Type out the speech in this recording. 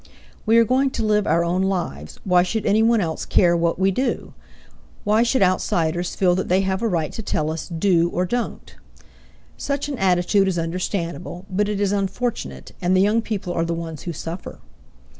"We are going to live our own lives. Why should any one else care what we do? Why should outsiders feel that they have a right to tell us 'do' or 'don't'?" Such an attitude is understandable, but it is unfortunate, and the young people are the ones who suffer.